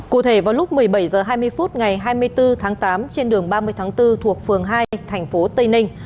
cụ thể vào lúc một mươi bảy h hai mươi phút ngày hai mươi bốn tháng tám trên đường ba mươi tháng bốn thuộc phường hai thành phố tây ninh